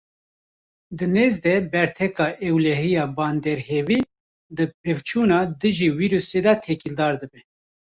Di nêz de berteka ewlehiya danberhevî di pevçûna dijî vîrûsê de têkildar dibe.